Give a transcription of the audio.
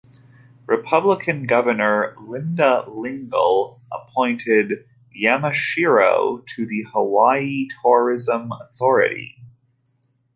Republican Governor Linda Lingle appointed Yamashiro to the Hawaii Tourism Authority.